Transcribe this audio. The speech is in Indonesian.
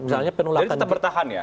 jadi tetap bertahan ya